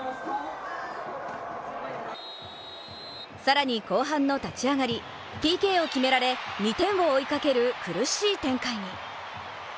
更に後半の立ち上がり、ＰＫを決められ２点を追いかける苦しい展開に。